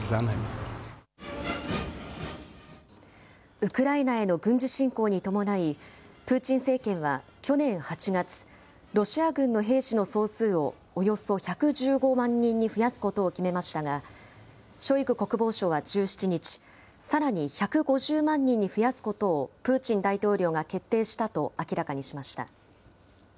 ウクライナへの軍事侵攻に伴い、プーチン政権は去年８月、ロシア軍の兵士の総数をおよそ１１５万人に増やすことを決めましたが、ショイグ国防相は１７日、さらに１５０万人に増やすことをプーチン大統領が決定したと明らかにしました。